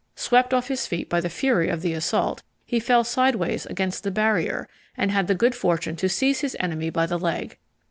Swept off his feet by the fury of the assault, he fell sideways against the barrier and had the good fortune to seize his enemy by the leg.